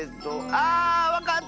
あわかった！